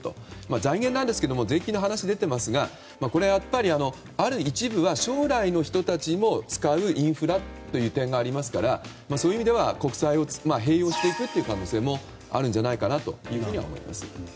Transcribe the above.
財源なんですけれども税金の話が出ていますがこれはやっぱり、ある一部は将来の人たちも使うインフラという面もありますからそういう意味では国債を併用していく可能性もあるんじゃないかなとは思います。